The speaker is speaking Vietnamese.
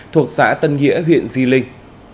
thuộc xã tân nghĩa huyện di linh